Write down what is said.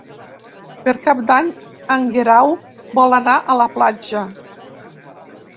Per Cap d'Any en Guerau vol anar a la platja.